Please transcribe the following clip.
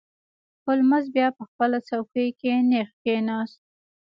هولمز بیا په خپله څوکۍ کې نیغ کښیناست.